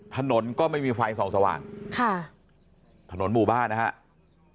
ถนนก็ไม่มีไฟส่องสว่างค่ะถนนหมู่บ้านนะครับ